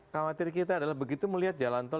khawatir kita adalah begitu melihat jalan tol